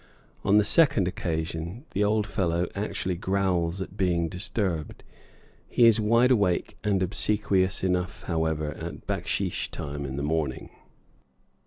On the second occasion the old fellow actually growls at being disturbed. He is wide awake and obsequious enough, however, at backsheesh time in the morning.